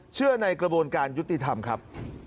ในกระบวนการยุติธรรมครับ